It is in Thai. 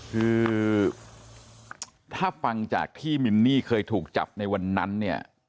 คือถ้าฟังจากที่มินนี่เคยถูกจับในวันนั้นเนี่ย